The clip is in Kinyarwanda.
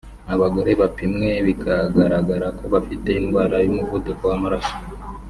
Abagore bapimwe bikagaragara ko bafite indwara y’umuvuduko w’amaraso